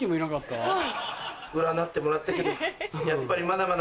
占ってもらったけどやっぱりまだまだ。